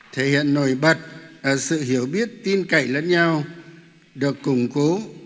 thể hiện nổi bật ở sự hiểu biết tin cậy lẫn nhau được củng cố